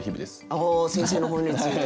ああ先生の本について。